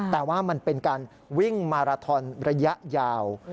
แต่ว่ามันเป็นการวิ่งมาราทอนระยะยาว